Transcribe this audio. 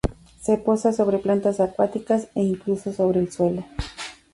Se posa sobre plantas acuáticas, e incluso sobre el suelo.